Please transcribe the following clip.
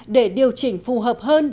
để điều chỉnh phù hợp hơn